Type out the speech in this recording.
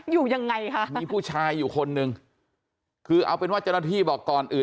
อยู่ยังไงคะมีผู้ชายอยู่คนนึงคือเอาเป็นว่าเจ้าหน้าที่บอกก่อนอื่น